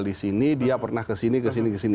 di sini dia pernah ke sini ke sini ke sini